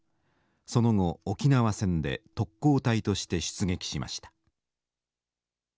その後沖縄戦で特攻隊として出撃しました。